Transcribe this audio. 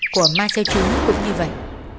của ma xeo trứng cũng như vậy